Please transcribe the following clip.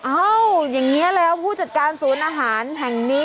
อย่างนี้แล้วผู้จัดการศูนย์อาหารแห่งนี้